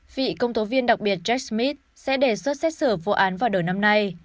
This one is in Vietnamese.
vị công tố viên đặc biệt jack smith sẽ đề xuất xét xử vụ án vào đầu năm nay